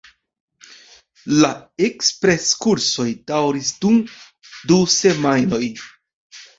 La ekspres-kursoj daŭris dum du semajnoj.